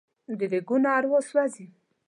د ریګونو اروا سوزي